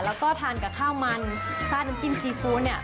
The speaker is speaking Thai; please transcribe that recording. แล้วก็ทานกับข้าวมันซาดน้ำจิ้มซีฟู้ดเนี่ย